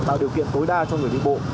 tạo điều kiện tối đa cho người đi bộ